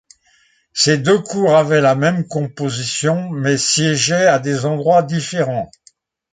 Ces deux cours avaient la même composition, mais siégeait à des endroits différents.